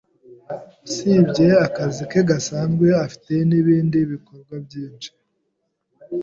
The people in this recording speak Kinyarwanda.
Usibye akazi ke gasanzwe, afite nibindi bikorwa byinshi.